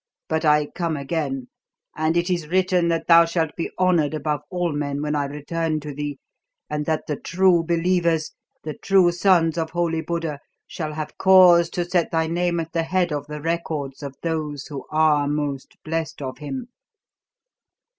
"But I come again; and it is written that thou shalt be honoured above all men when I return to thee, and that the true believers the true sons of Holy Buddha shall have cause to set thy name at the head of the records of those who are most blest of him!"